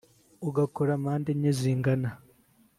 ugakora mpande enye zingana